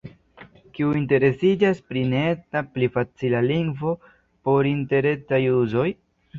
Kiu interesiĝas pri neetna pli facila lingvo por interetnaj uzoj?